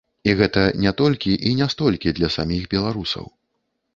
І гэта не толькі і не столькі для саміх беларусаў.